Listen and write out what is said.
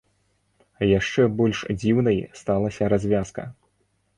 Яшчэ больш дзіўнай сталася развязка.